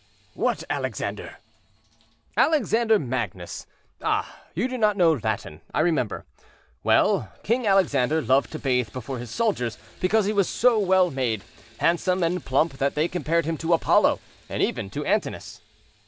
"What Alexander?" "Alexander Magnus. Ah! you do not know Latin, I remember. Well, King Alexander loved to bathe before his soldiers, because he was so well made, handsome and plump that they compared him to Apollo and even to Antinous."